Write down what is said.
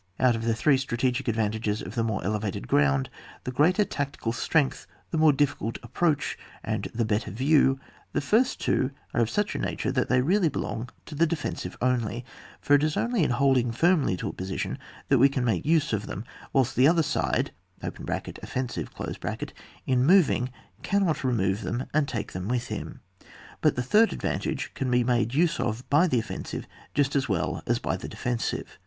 Out of the three strategic advantages of the more elevated ground, the greater tactical strength, the mare difficult approach, and the better view, the first two are of such a nature that they belong really to the defensive only ; for it is only in holding firmly to a position that we can make use of them, whilst the other side (offen sive) in moving cannot remove them and take them wi& him ; but the third ad vantage can be made use of by the offen sive just as well as by the defensive.